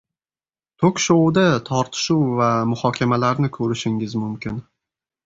Tok-shouda tortishuv va muhokamalarni koʻrishingiz mumkin